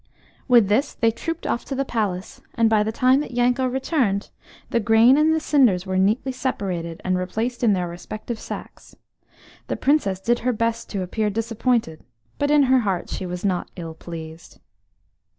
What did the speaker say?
With this they trooped off to the palace, and by the time that Yanko returned, the grain and the cinders were neatly separated, and replaced in their respective sacks. The Princess did her best to appear disappointed, but in her heart she was not ill pleased.